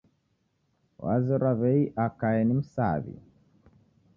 Wazerwa w'ei akae ni msaw'i.